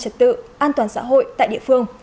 trật tự an toàn xã hội tại địa phương